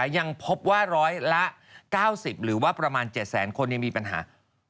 ยังพบว่า๑๐๐ละ๙๐หรือประมาณ๗แผนคนมีปัญหา